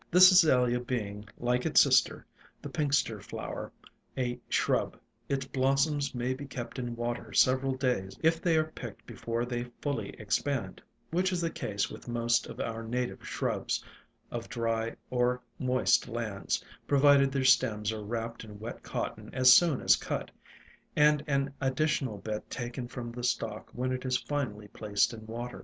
This Azalea being, like its sister, the Pinxter Flower, a shrub, its blossoms may be kept in water several days if they are picked before they fully ex pand, which is the case with most of our native shrubs, of dry or moist lands, provided their stems are wrapped in wet cotton as soon as cut, and an additional bit taken from the stalk when it is finally placed in water.